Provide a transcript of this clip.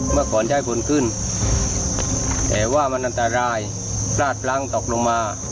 เมื่อก่อนใช้คนขึ้นแต่ว่ามันอันตรายราดพลั้งตกลงมา